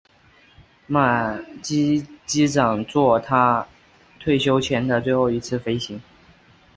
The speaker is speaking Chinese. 马基机长作他退休前的最后一次飞行。